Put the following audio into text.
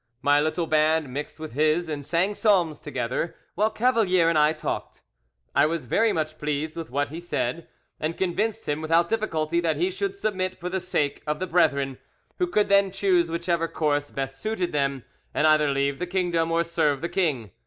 My little band mixed with his and sang psalms together, while Cavalier and I talked. I was very much pleased with what, he said, and convinced him without difficulty that he should submit for the sake of the brethren, who could then choose whichever course best suited them, and either leave the kingdom or serve the king.